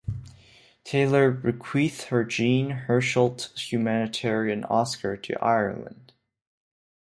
Taylor bequeathed her Jean Hersholt Humanitarian Oscar to Ireland.